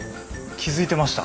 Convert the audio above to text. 気付いてました。